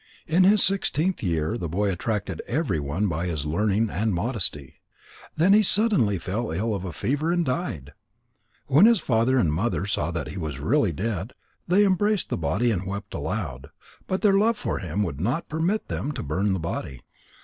In his sixteenth year the boy attracted everyone by his learning and modesty. Then he suddenly fell ill of a fever and died. When his father and mother saw that he was really dead, they embraced the body and wept aloud. But their love for him would not permit them to burn the body.